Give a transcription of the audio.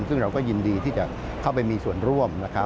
ซึ่งเราก็ยินดีที่จะเข้าไปมีส่วนร่วม